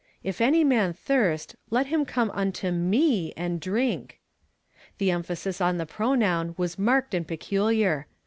" If any man thirst, let him come unto jVIE, and drink." The emphasis on the pronoun was marked and peculiar.